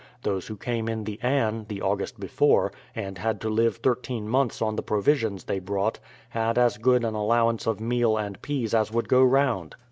Those who came in the Anne the August before, and had to live thirteen months on the provisions they brought, had as good an allowance of meal and peas as would go round.